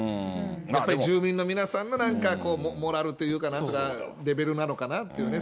やっぱり住民の皆さんのモラルというかなんかレベルなのかなっていうね。